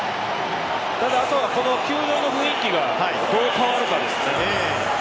あとはこの球場の雰囲気がどう変わるかです。